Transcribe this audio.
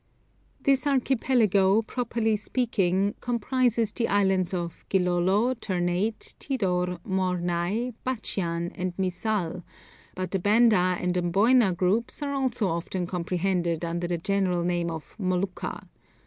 This Archipelago properly speaking, comprises the Islands of Gilolo, Ternate, Tidor, Mornay, Batchian, and Misal; but the Banda and Amboyna groups are also often comprehended under the general name of Molucca.